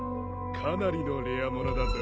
かなりのレアものだぞ